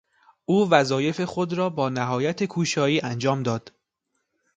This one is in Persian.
او وظایف خود را با نهایت کوشایی انجام داد.